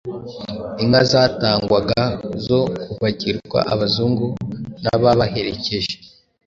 inka zatangwaga zo kubagirwa Abazungu n'ababaherekeje